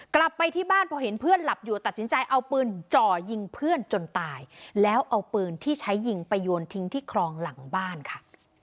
กลับไปที่บ้านพอเห็นเพื่อนหลับอยู่ตัดสินใจเอาปืนจ่อยิงเพื่อนจนตายแล้วเอาปืนที่ใช้ยิงไปโยนทิ้งที่คลองหลังบ้านค่ะ